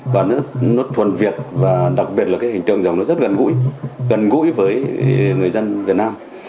và nó thuần việt và đặc biệt là cái hình tượng dòng nó rất gần gũi gần gũi với người dân việt nam